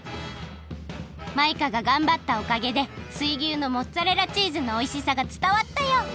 マイカががんばったおかげで水牛のモッツァレラチーズのおいしさがつたわったよ！